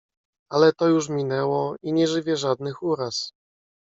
"Ale to już minęło i nie żywię żadnych uraz."